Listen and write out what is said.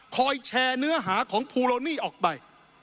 แชร์เนื้อหาของภูโลนี่ออกไป